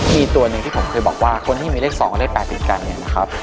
มีตัวหนึ่งที่ผมเคยบอกว่าคนที่มีเลข๒กับเลข๘ติดกันเนี่ยนะครับ